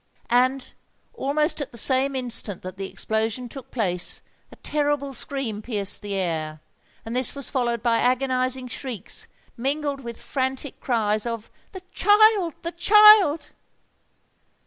And, almost at the same instant that the explosion took place, a terrible scream pierced the air; and this was followed by agonising shrieks, mingled with frantic cries of "The child! the child!"